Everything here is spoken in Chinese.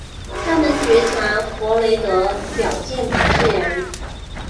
他们察觉弗雷德表现不自然。